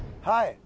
はい！